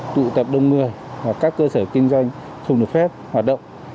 tụ tập đông người hoặc các cơ sở kinh doanh không được phép hoạt động